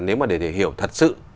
nếu mà để hiểu thật sự